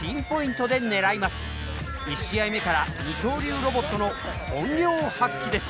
１試合目から二刀流ロボットの本領発揮です。